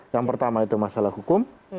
yang pertama itu masalah hukum